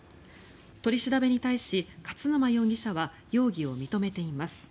取り調べに対し、勝沼容疑者は容疑を認めています。